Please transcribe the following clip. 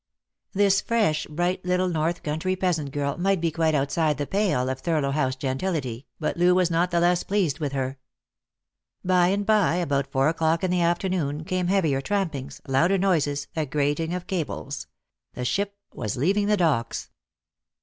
This fresh, bright little North country peasant girl might be quite outside the pale of Thurlow House gentility, but Loo was not the less pleased with her. By and by, about four o'clock in the afternoon, came heavier trampings, louder noises, a grating of cables. The ship was leaving the Docks.